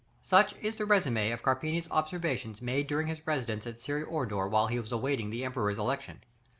Such is the résumé of Carpini's observations made during his residence at Syra Orda while he was awaiting the Emperor's election.